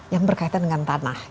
yang berkaitan dengan tanah